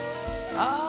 ああ！